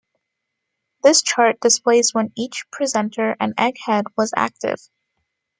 This chart displays when each presenter and Egghead was active.